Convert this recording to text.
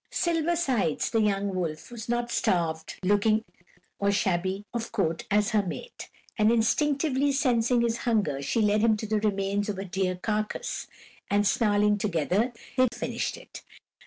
Silver Sides, the young wolf, was not starved looking or shabby of coat as her mate, and instinctively sensing his hunger, she led him to the remains of a deer carcass, and snarling together, they finished it.